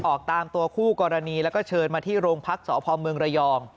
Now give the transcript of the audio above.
ออกตามตัวคู่กรณีแล้วก็เชิญมาที่โรงพักษพเมืองระยอง